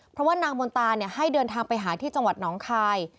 เพราะว่านางมนตาให้เดินทางไปหาที่จังหวัดน้องคาย